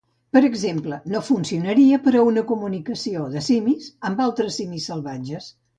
Per exemple, no funcionaria per a una comunicació de simis amb altres simis salvatges.